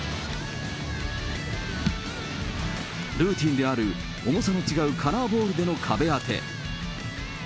ルーティンである重さの違うカラーボールでの壁当て。